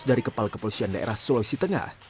dari kepala kepolisian daerah sulawesi tengah